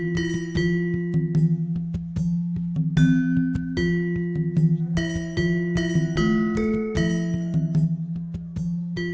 doakan dukungan anda dalam kadangk beer demo di sosial media